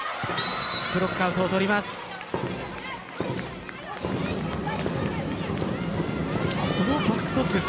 ブロックアウトを取ります。